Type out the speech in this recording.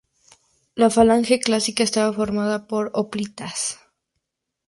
La falange clásica estaba formada por "hoplitas".